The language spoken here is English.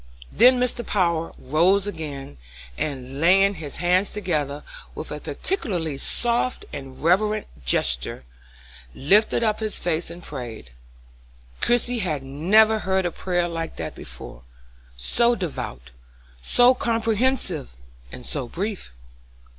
Then Mr. Power rose again, and laying his hands together, with a peculiarly soft and reverent gesture, lifted up his face and prayed. Christie had never heard a prayer like that before; so devout, so comprehensive, and so brief.